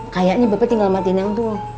kayaknya bapak tinggal matiin yang tua